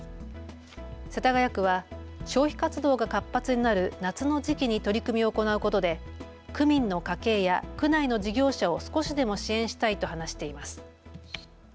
世田谷区は消費活動が活発になる夏の時期に取り組みを行うことで区民の家計や区内の事業者を少しでも支援したいと話しています。